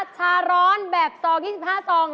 ชาร้อนแบบต่อ๒๕ต่อง